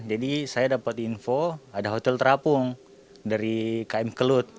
jadi saya dapat info ada hotel trapung dari km kelut